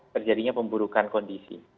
terjadinya pemburukan kondisi